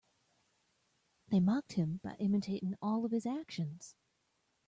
They mocked him by imitating all of his actions.